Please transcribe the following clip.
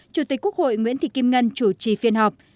chủ tịch quốc hội nguyễn thị kim ngân chủ trì phiên họp